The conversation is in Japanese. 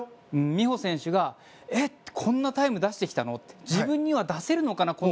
美帆選手が、えっこんなタイムを出してきたの自分には出せるのかな